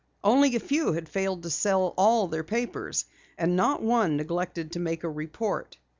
Only a few had failed to sell all of their papers, and not one neglected to make a report.